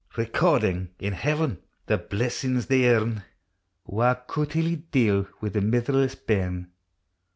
79 Recording in heaven the blessings they earn Wha couthilie deal wP the mitherless bairn!